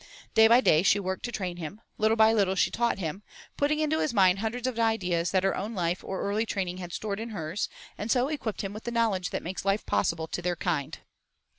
Day by day she worked to train him; little by little she taught him, putting into his mind hundreds of ideas that her own life or early training had stored in hers, and so equipped him with the knowledge that makes life possible to their kind.